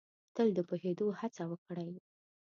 تل د پوهېدو هڅه وکړ ئ